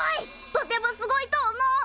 とてもすごいと思う。